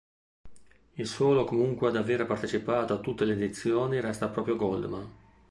Il solo comunque ad avere partecipato a tutte le edizioni resta proprio Goldman.